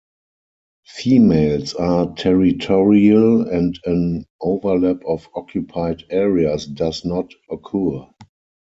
Females are territorial and an overlap of occupied areas does not occur.